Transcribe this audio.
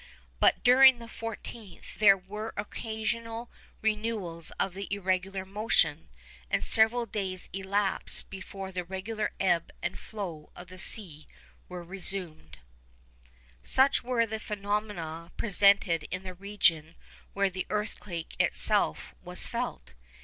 But during the 14th there were occasional renewals of the irregular motion, and several days elapsed before the regular ebb and flow of the sea were resumed. Such were among the phenomena presented in the region where the earthquake itself was felt.